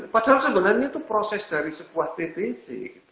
padahal sebenarnya itu proses dari sebuah tbc